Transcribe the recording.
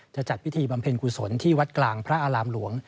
จัดพิธีบำเพ็ญกุศลที่วัดกลางพระอารามหลวง